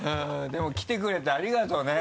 でも来てくれてありがとうね。